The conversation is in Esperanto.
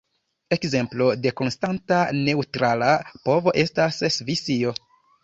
Ekzemplo de konstanta neŭtrala povo estas Svisio.